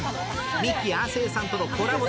ミキ・亜生さんとのコラボ